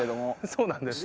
そうなんです。